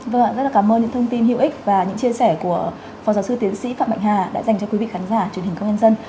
vâng ạ rất là cảm ơn những thông tin hữu ích và những chia sẻ của phó giáo sư tiến sĩ phạm mạnh hà đã dành cho quý vị khán giả truyền hình công an nhân dân